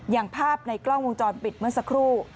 อย่างภาพในกล้องวงจรปิดเมื่อสักครู่